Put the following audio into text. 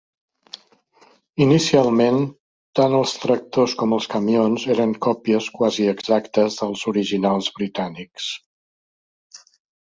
Inicialment, tant els tractors com els camions eren còpies quasi exactes dels originals britànics.